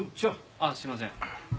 あっすいません。